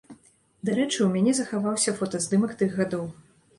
Дарэчы, у мяне захаваўся фотаздымак тых гадоў.